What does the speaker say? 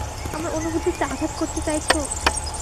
আমার অনুভূতিতে আঘাত করতে চাইছো?